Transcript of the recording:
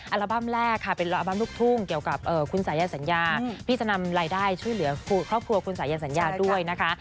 อัลบั้มแรกค่ะเป็นอัลบั้มลูกทุ่งเกี่ยวกับคุณสายันสัญญาที่จะนำรายได้ช่วยเหลือครอบครัวคุณสายันสัญญาด้วยนะคะ